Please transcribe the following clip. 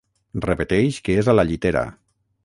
Repeteix que és a la llitera.